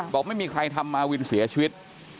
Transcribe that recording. บอกไม่มีใครทำมาวินเสียชีวิต